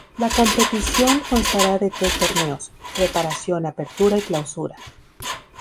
La competición constará de tres Torneos: "Preparación", "Apertura" y "Clausura".